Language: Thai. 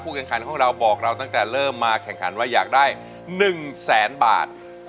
แข่งขันของเราบอกเราตั้งแต่เริ่มมาแข่งขันว่าอยากได้๑แสนบาท